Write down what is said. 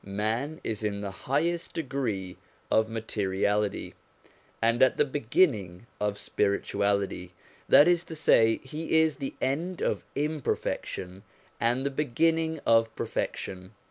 Man is in the highest degree of materiality, and at the beginning of spirituality ; that is to say, he is the end of imperfection and the beginning of perfection.